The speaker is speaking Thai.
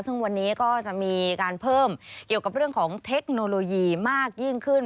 ซึ่งวันนี้ก็จะมีการเพิ่มเกี่ยวกับเรื่องของเทคโนโลยีมากยิ่งขึ้น